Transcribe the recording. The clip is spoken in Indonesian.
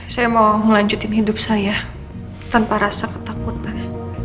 saya mau ngelanjutin hidup saya tanpa rasa ketakutan